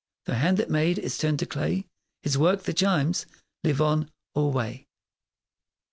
Though hand that made is turned to clay, His work the chimes lives on alway!